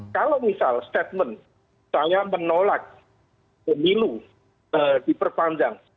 kalau misal statement misalnya menolak pemilu diperpanjang